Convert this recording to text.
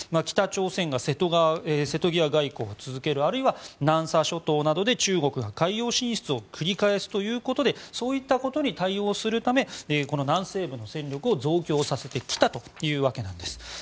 北朝鮮が瀬戸際外交を続けるあるいは南沙諸島などで中国が海洋進出を繰り返すということでそういったことに対応するため南西部の戦力を増強させてきたというわけなんです。